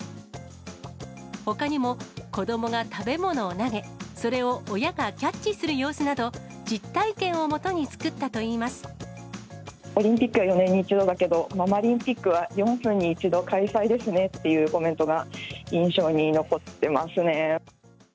ほかにも、子どもが食べ物を投げ、それを親がキャッチする様子など、オリンピックは４年に１度だけど、ママリンピックは４分に１度開催ですねっていうコメントが印象に残ってますね。